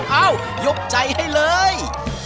เอ้ายกใจให้เลย